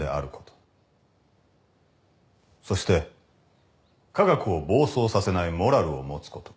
そして科学を暴走させないモラルを持つこと。